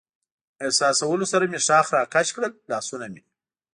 احساسولو سره مې ښاخ را کش کړل، لاسونه مې.